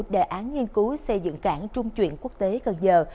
đề án nghiên cứu xây dựng cảng trung chuyển quốc tế cần giờ